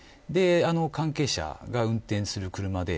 関係者が運転する車で